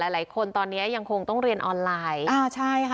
หลายคนตอนนี้ยังคงต้องเรียนออนไลน์อ่าใช่ค่ะ